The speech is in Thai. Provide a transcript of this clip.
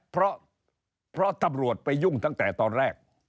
เพราะตำรวจไปยุ่งตั้งแต่ตอนแรก